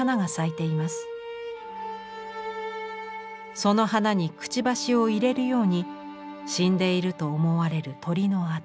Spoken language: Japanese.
その花にくちばしを入れるように死んでいると思われる鳥の頭。